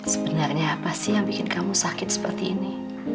sebenarnya apa sih yang bikin kamu sakit seperti ini